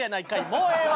もうええわ。